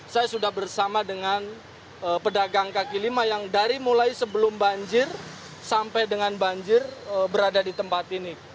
saya sudah bersama dengan pedagang kaki lima yang dari mulai sebelum banjir sampai dengan banjir berada di tempat ini